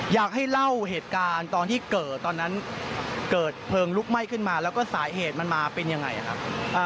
อยากให้เล่าเหตุการณ์ตอนที่เกิดตอนนั้นเกิดเพลิงลุกไหม้ขึ้นมาแล้วก็สาเหตุมันมาเป็นยังไงครับ